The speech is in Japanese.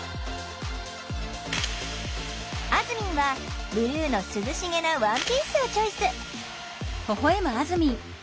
あずみんはブルーの涼しげなワンピースをチョイス。